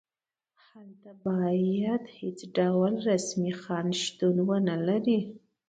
هلته باید هېڅ ډول رسمي خنډ شتون ونلري.